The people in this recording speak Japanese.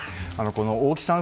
大木さん